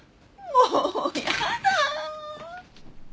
もうやだ。